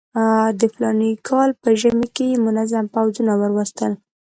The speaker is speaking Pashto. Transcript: د فلاني کال په ژمي کې یې منظم پوځونه ورواستول.